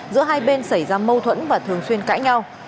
giữa hai bên xảy ra mâu thuẫn và thường xuyên cãi nhau